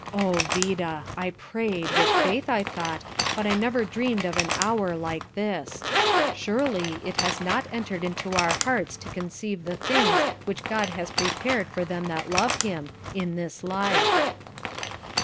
Oh, Vida! I prayed with faith, I thought but I never dreamed of an hour like this; surely 'It has not entered into our hearts to conceive the things which God has prepared for them that love Him in this life.'"